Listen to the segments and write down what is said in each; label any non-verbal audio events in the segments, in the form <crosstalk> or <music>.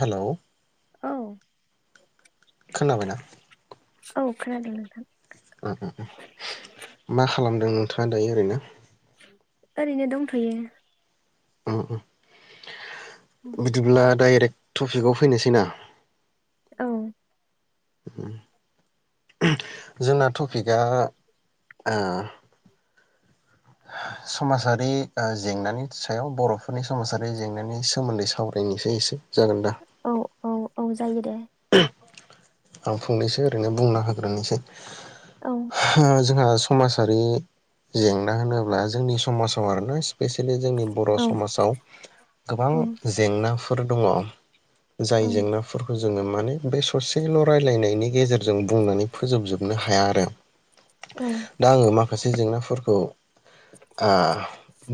हेल'। औ खोनाबायना औ खोनादों नोंथां। <inaudible> खालामदों नोंथाङा दायो ओरैनो? ओरैनो दंथयो। उम उम। बिदिब्ला डाइरेक्ट टपिकआव फैनोसै ना? औ। जोंना टपिकआ समाजारि जेंनानि सायाव बर'फोरनि समाजारि जेंनानि सोमोन्दै सावरायनोसै एसे। जागोन दा औ औ। औ जायो दे। आं फंनैसो ओरैनो बुंना होग्रोनोसै। औ जोंहा समाजारि जेंना होनोब्ला जोंनि समाजाव आरोना एकसुलि जोंनि बर' औ समाजाव गोबां औ जेंनाफो नो दङ जाय औ उम जेंनाफोरखौ जोङो माने बे ससेल' रायलायनायनि गेजेरजों बुंनानै फोजोबजोबनो हाया आरो औ दा आङो माखासे जेंना फोरखौ आ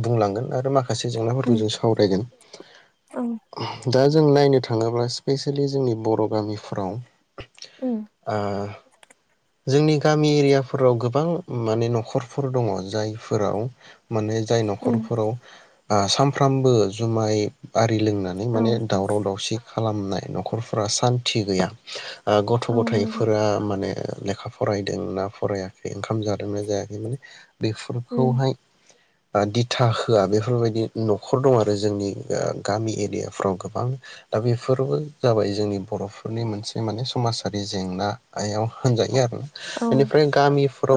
बुंलांगोन आरो माखासे जेंनाफोरखौ जों सावरायगोन। ओं दा जों नायनो थाङोब्ला स्पेसिलि जोंनि। बर' गामिफ्राव। आ जोंनि गामि एरियाफोराव गोबां माने न'खरफोर दङ जायफोराव। माने जाय उम न'खरफोराव आ सामफ्रामबो जुमाय आ रि लोंनानै औ माने दावराव दावसि खालामनाय न'खर फ्रा सान्ति गैया। ओ- गथ' औ नंगौ गथायाइफोरा माने। लेखा फरायदों ना फरायाखै? ओंखाम जादोंना जायाखै माने उम बेफोरखौहाय। ओ-दिथा होआ बेफोरबायदि न'खर दं आरो जोंनि गामि एरियाफ्राव गोबां दा बेफोरबो जाबाय। जोंनि बर'फोरनि मोनसे माने समाजारि जेंनायाव होनजायो आरो। औ इनिफ्राय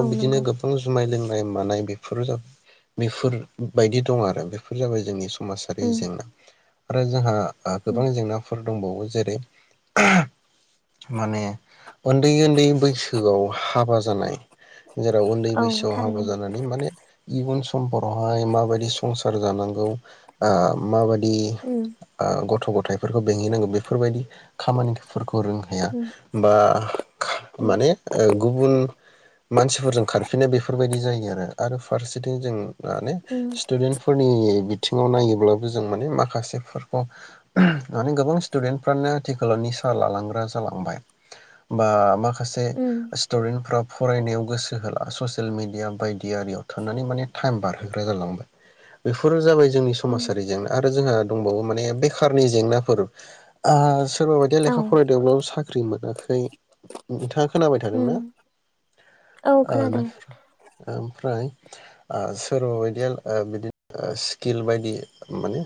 औ बिदिनो नंगौ गोबां जुमाय लों नाय मानाय बेफोर जाबा बेफोर बायदि दं आरो बेफोर जाबाय जोंनि स माजारि उम जेंना आरो जोंहा, आ- उम गोबां जेंनाफोर। दंबावो जेरै - माने उन न्दै उन्दै बैसोआव हाबा जानाय जेराव उन्दै औ बैसोआव हाबा थारैनो जानानै माने इयुन समफोरावहाय माबायदि संसार जानांगौ। औ ओ-माबाद उम ओ-गथ' गथ थायफोरखौ बेंहैनांगौ बेफोरबायदि। खामानिफोर खौ रोंहैया उम बा उम माने ओ-गुबुन मानसिफोरजों खारफिनो बेफोरबायदि जायो। आरो आरो फारसेथिं जों। माने उम स्टुदेन्ट फोरनि बिथ बथिङाव नायोब्लाबो जों माने माखासेफोरखौ माने गोबां स्टुदेन्टफ्रानो आथिखलााव निसा लालांग्रा जालांबाय बा माख खासे उम स्टुडेन्टफ्रा फरायनायाव गोसो होला ससियेल मिडिया बायदि आरियाव थानानै माने टाइम बारहोग्रा जालांबाय बेफोर जाबाय। जोंनि उम समाजारि जेंना जोंहा दंबावो माने बेखारनि जेंनाफोर आ सोरबा बायदिया औ लेखा फरायदोंब्लाबो साख्रि मोनाखै। नोंथाङा खोनाबाय थादोंना? उम औ खोनादों ओमफ्राय आ सोरबा बायदिया बिदि स्किल बायदि माने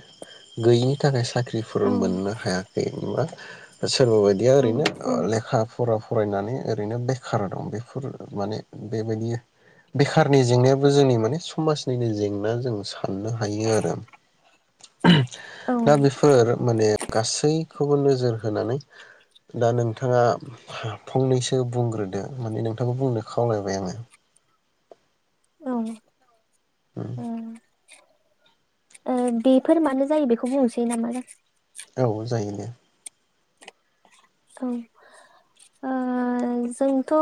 गैयिनि थाखाय सा ख्रिफोर औ मोननो हायाखै होमबा सो सोरबा बायदिया औ ओरैनो औ लेखा फरा फरायनानै ओरैनो बेखार दं। बेफोर माने बेबायदि बेखारनि जेंनायाबो जोंनि माने समाजनिनो जेंना जों सा साननो हायो आरो दा औ बेफोर माने गासै खोबो नो जोर होनानै दा नोंथाङा फंनैसो बुंग्रोदो माने नोंथांखौ बुंनो खावलायबाय आङो? औ अ ओ बेफोर मानो जायो बेखौ बुंनोसै नामा जाखो? औ जायो दे औ ओ जोंथ'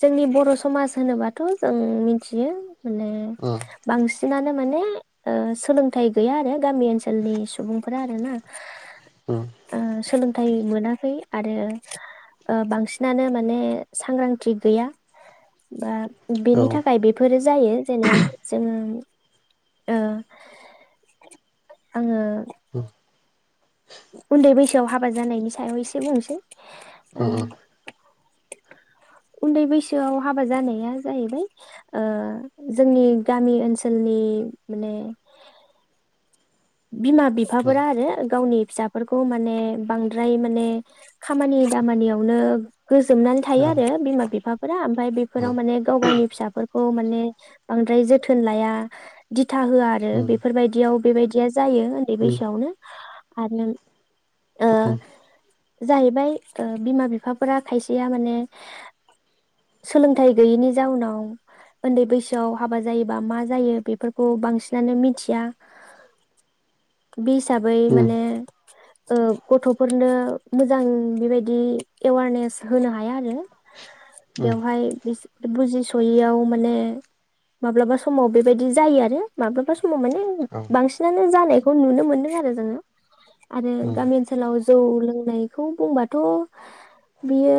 जोंनि बर' समाज होनोबाथ' जों मिथियो माने उम बां सिनानो माने ओ सोलोंथाइ गैया आरो गामि ओनसोलनि सुबुंफोरा आरोना। उम आ सोलों थाय मोनाखै आरो बांसिनानो माने सांग्रांथि गैया बा औ बेनि थाखाय बेफोरो जायो जेने जों ओ आङो औ उन्दै बैसोआव हाबा जानायनि सायाव एसे बुंसै। उ उम उन्दै बैसोआव हाबा जानाया जाहैबाय ओ जोंनि गामि ओनसोलनि माने बिमा उम बिफाफोरा आरो गावनि फिसाफोरखौ माने बांद्राय माने खामानि दामानियावनो गोजोमनानै थायो औ आरो बिमा बि फा फ्रा। ओमफ्राय बेफोराव माने गाव गावनि फिसाफोर खौ माने बांद्राय जोथोन लाया, दि था होआ आरो उम बेफोरबायदियाव बेबायदि जायो उन्दै बैसोआवनो आरो नो औ जाहैबाय ओ बिमा बिफाफोरा खायसेया माने सोलोंथाइ गैयैनि जाउनाव उन्दै बैसोआव हाबा जायोबा मा जायो बेफोरखौ बांसिनानो मिथिया बि हिसाबै उम माने ओ गथ'फोरनो मोजां बेबायदि एवारनेस होनो हाया आरो उम बेवहाय बुजिस'यैयाव माने माब्लाबा समाव बेबायदि जायो आरो माब्लाबा सम माने औ बांसिन जानायखौ नुनो मोनदों आरो जोङो आरो उम गामि ओनसोलाव जौ लोंनायखौ बुंबाथ' बियो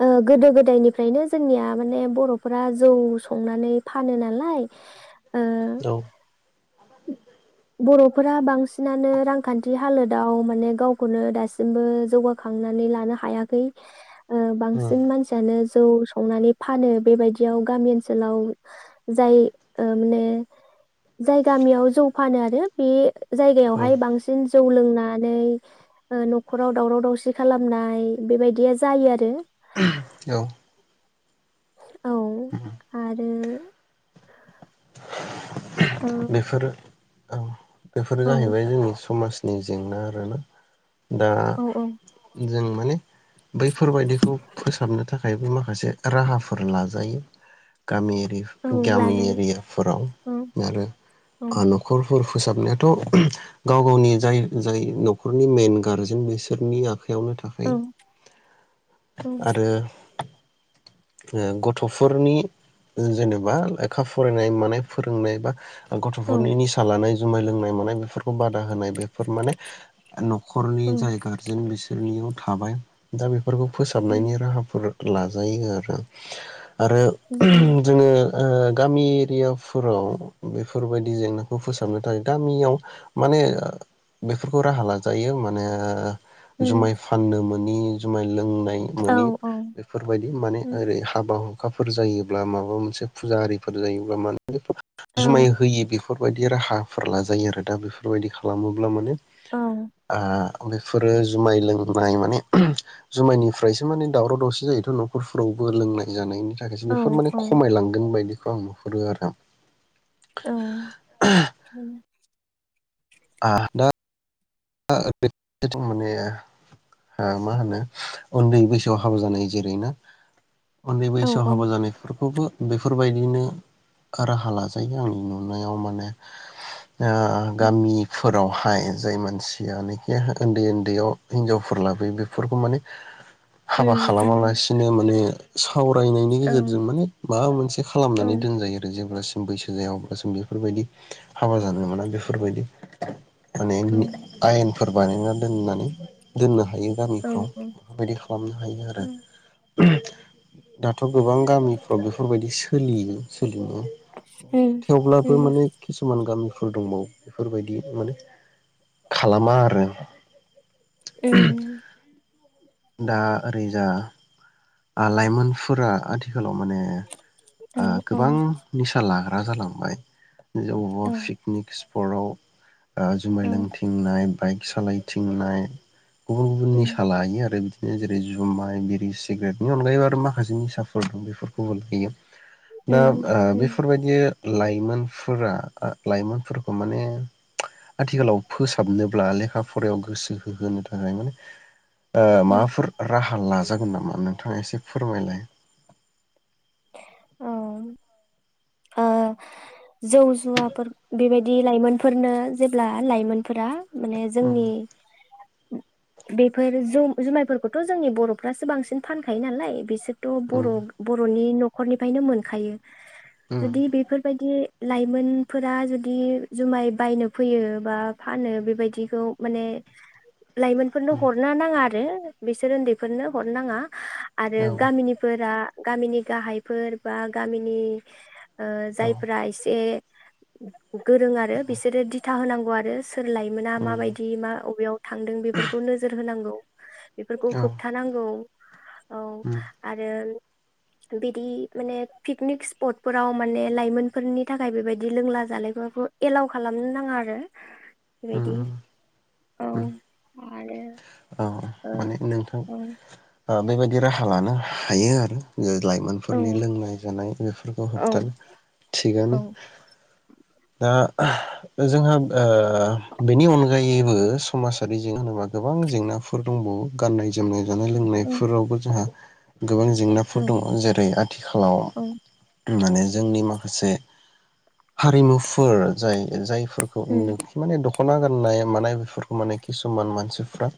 <unintelligible> ओ गोदो गोदायनिफ्रायनो जोंनिया माने बर'फोरा जौ संनानै फानो नालाय ओ औ बर'फोरा बांसिनानो रांखान्थि हालोदाव माने गावखौनो दासिमबो जौगाखांनानै लानो हायाखै ओ उम बांसिन मानसियानो जौ संनानै फानो बेबायदियाव गामि ओनसोलाव जाय माने जाय गामियाव जौ फानो आरो बे जायगायावहाय बांसिन जौ लोंनानै न'खराव दावराव दावसि खालामनाय बेबायदिया जायो आरो औ औ औ आरो ओ <unintelligible> बेफोरो औ बेफोरो जाहैबाय जोंनि समाज नि जेंना आरोना। दा औ औ जों माने बैफोरबायादिखौ फोसाबनो थाखाय थाखायबो माखासे राहाफोर लाजायो गामि औ गामि लाजायो एरै फोराव औ आरो औ आ नखर फोसाबनायाथ गाव गावनि जाय जाय नखरनि मेइन गारजेन बिसोरनि आख आवनो औ थाखायो औ आरो। ओ गथफोरनि जेनेबा लेखा फरायनाय मानाय फोरोंनाय बा औ गथफोरनि निसा लानाय जुमाय लोंनाय मानाय बेफोरखौ बा दा होनाय बेफोर माने नखरनि औ जाय गारजेन बिसोरनि थाबाय दा बे बेफोरफोरखौ फोसाबनायनि उम राहाफोर लाजायो आरो। <inaudible> आरो उम उम जोङो ओ गामि एरियाफोराव बेफोरबायदि जेंनाखौ फोसाबनो थाखाय गामियाव माने बेफोरखौ राहा लाजायो माने जुमाय उम फाननो मो नि जुमाय लोंनाय औ मोनि औ बेफोरबायदि माने उम ओरै हाबा हु हुखाफोर जायोब्ला माबा मोनसे फुजा आरिफोर जायोब्ला माने बे औ जुमाय होयो बेफोर बेफोरबायायदि राहाफोर लाजायो आरो दा बेफोरबायदि खालामोब्ला माने औ ओ। बेफोरो जुमाय लोंनाय माने जुमायनिफ्रायसो माने दावराव दावसि जायोथ नखर फोरावबो लोंनाय जानायनि थाखायसो औ बेफोर औ माने खमायलांदों बायदि। <unintelligible> औ। आ दा। <inaudible> मा होनो उन्दै बैसोआव हाबा जानाय जेरैना उन्दै औ बैसोआव हाबा उम जानायफोरखौबो बेफोरबायदिनो राहा लाजायो आंनि नुनायाव माने ओ गामि फोरावहाय जाय मोनसि जायनाखि उन्दै उन्दैयाव हिनजावफोर लाबोयो बेफोरखौ माने हाबा उम उम खालामालासिनो माने सावरायनायनि औ गेजेरजों माने माबा मोनसे औ खालामनानै दोनजायो आरो जेनेबा बैसो जाया अब्ला जों बेफोरबायदि हाबा जानो मोना बेफोरबायदि माने औ आयेनफोर बानायना दोननानै दोनो हायो औ गामिफ्राव उम उम बेफोरबायदि खालामनो हायो उम आरो दाथ' गोबां गामिफ्राव बेफोरबायदि सोलियो सोलि औ <unintelligible> थेवब्लाबो माने किसुमान गामि फोर दंबावो बेफोरबायदि माने खालामा आरो <inaudible> दा ओरैजा आ लाइमोनफोरा आथिखालाव माने औ उम गोबां उम निसा लाग आ जालांबाय अबेबा पिकनिक स्पटआव ओ जुमाय लोंथिंनाय बाइक सालायथिंनाय गुबुन गुबुन निसा लायो आ रो बिदिनो जेरै जुमाय बिरि सिगारेटनि अनगायैबो आरो माखासे निसाफोर दं बेफोरखौबो लायो। दा उम बेफोरबायदि लाइमोनफोरा आ लाइमोनफोरखौ माने आथिखालाव फोसाबनोब्ला लेखा फरायायाव गोसो होहोनो थाखाय माने ओ उम माबाफोर राहा लाजागोन नामा नोंथाङा एसे फोरमायलाय। औ ओ जौ जुवाफोर बेबायदि लाइमोनफोरनो जेब्ला लाइमोन फोरा माने उम जोंनि बेफोर जौ जुमायफोरखौथ' जोंनि बर'फ्रासो बांसिन फानखायो नालाय बिसोर थ' उम बर' बर'नि न' खरनिफ्रायनो मोनखायो उम जुदि बेफोरबायदि लाइमोनफोरा जुदि जुमाय बायनो फैयो बा फानो बेबायदिखौ माने लाइमोनफोरनो उम हरनो नांङा रो बिसोर उन्दैफोरनो हरनाङा आरो औ गामिनिफोरा गामिनि गाहायफोर बा गामिनि औ जायफोरा एसे <inaudible> गोरों आरो बिसोरो दि <unintelligible> होनांगौ आरो सोर लाइमोना उम माबायदि मा अबेयाव थांदों बेफोरखौ नोजोर होनांगौ <inaudible> बेफोरखौ औ उम होबथानांगौ औ उम आरो बिदि माने पिकनिक सप्टफो आव माने लाइमोनफोरनि थाखाय बेबायदि लोंला जालायफोरखौ एलाउ खालामनो नाङा आरो बेबायदि उम औ उम आरो औ माने नोंथां ओ ओ बेबायदि राहा लानो हायो आरो ओ औ लाइमोनफोरनि लोंनाय जानाय बेफोरखौ औ होबथानो औ थिगानो दा जोंहा ओ बेनि अनगायैबो समाजारि जेंना होनोबा गोब बां जेंनाफोर दंबावो गाननाय जोमनाय जानाय लोंनायफोरावबो जोंहा गोबां जेंनाफोर औ दङ जेरै आथिखालाव औ माने जोंनि माखासे हारिमुफोर जाय जाय फोरखौ नो उम माने दख खना गाननाय मानाय बेफोरखौ माने किसुमान मानसि फोरा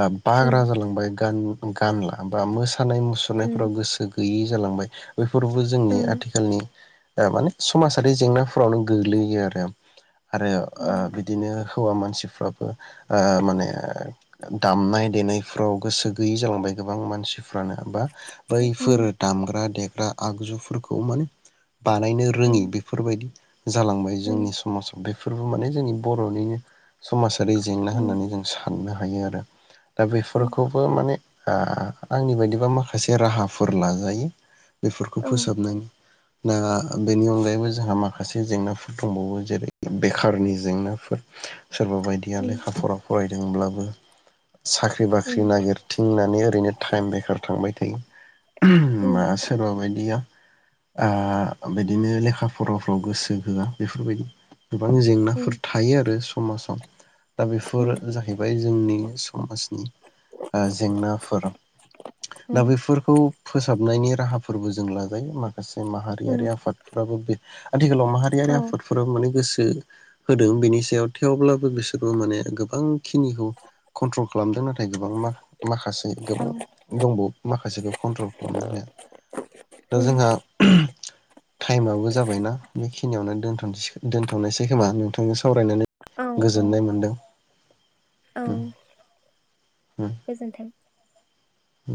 आ बाग्रा उम जालांबाय गान गानला बा मोसा सानाय मुसुरनायफोराव गोसो गैयै जालांबाय बैफोरबो उम जोंनि आथिखालनि ओ माने समाजारि जेंनाफोरावनो गोग्लैयो आरो आरो उम ओ बिदिनो हौवा मानसिफ्राबो ओ माने ओ दामनाय देनायफ्राव गोसो गैयै जालांबाय गोबां मानसिफो रानो बा बैफोर दामग्रा दे ओ आगजुफोरखौ माने बानायनो रोङि उम बेफोरबायदि जालांबाय उम जोंनि समाजाव बे फोरबो माने जोंनि बर'निनो समाजाव । जेरै जेंना होननानै जों सा बुंनो हायो आरो दा उम बेफोरखौबो माने आ आंनि बायदिबा माखासे राहाफोर लाजायो । बेफोरखौ औ फोसाबनायनि । दा बेनि अनगायैबो जोंहा माखासे जेंनाफोर दंबावो जेरै बेखारनि जेंनाफोर । सोरबा बायदिया उम उम लेखा फरा फराय दोंब्लाबो साख्रि बाख्रि उम नागिरथिंनानै ओरैनो टाइम बेखार थांबाय थायो । मा उम सोरबा बायदिया आ बिदिनो लेखा फराफ्राव गोसो होआ बेफोरबायदि । गोबां जेंनाफोर थायो आरो समाजआव । दा बेफोर जाहैबाय जोंनि समाजनि आ जेंनाफोर उम दा बेफोरखौ खौ फोसाबनायनि राहाफोरबो जों लाजायो मा माखासे माहारियारि उम आफादफोराबो बे आथिखालाव माहारियारि औ आफादफोराबो माने गोसो होदों बेनि सायाव थेवब्लाबो बिसोरबो माने गो बां खिनिखौ कन्ट्रल खालामदों नाथाय गोबां मा माखासे गोबां दंबावो माखासेखौ कन्ट्रल खालामनो हाया । दा उम जोंहा टाइमाबो जाबायना बेखिनियावनो । दोनथनायसै खोमा नोंथां सावरायनानै औ औ गोजोननाय मोनदों । औ गोजोन्थों । औ